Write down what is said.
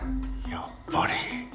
やっぱり。